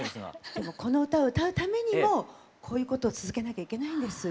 でもこの歌を歌うためにもこういうことを続けなきゃいけないんです。